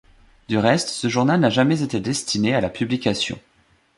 Du reste ce journal n'a jamais été destiné à la publication.